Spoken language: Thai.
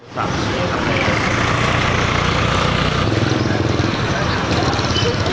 สวัสดีครับทุกคน